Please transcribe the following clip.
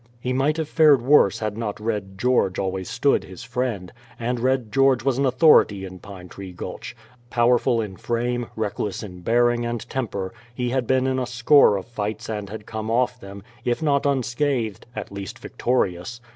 He might have fared worse had not Red George always stood his friend, and Red George was an authority in Pine Tree Gulch powerful in frame, reckless in bearing and temper, he had been in a score of fights and had come off them, if not unscathed, at least victorious.